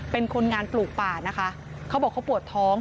เป็นคนงานปลูกป่านะคะเขาบอกเขาปวดท้อง